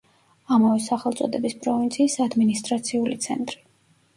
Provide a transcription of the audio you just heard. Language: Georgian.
ამავე სახელწოდების პროვინციის ადმინისტრაციული ცენტრი.